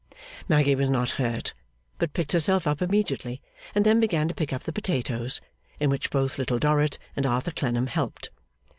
Maggy was not hurt, but picked herself up immediately, and then began to pick up the potatoes, in which both Little Dorrit and Arthur Clennam helped.